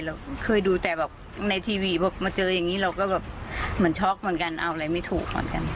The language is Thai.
เราเคยดูแต่แบบในทีวีบอกมาเจออย่างนี้เราก็แบบเหมือนช็อกเหมือนกันเอาอะไรไม่ถูกเหมือนกัน